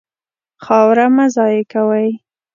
خاوره مه ضایع کوئ.